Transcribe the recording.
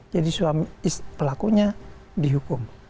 jadi pelakunya dihukum